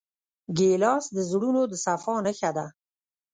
ګیلاس د زړونو د صفا نښه ده.